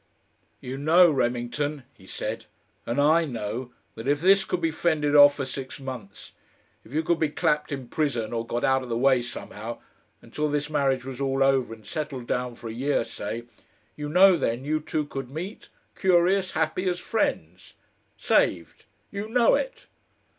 "You know, Remington," he said, "and I know, that if this could be fended off for six months if you could be clapped in prison, or got out of the way somehow, until this marriage was all over and settled down for a year, say you know then you two could meet, curious, happy, as friends. Saved! You KNOW it."